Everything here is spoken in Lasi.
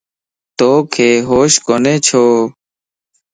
توک ھوش ڪوني ڇو؟